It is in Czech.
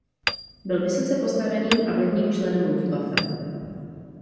Byl vysoce postaveným a vlivným členem Luftwaffe.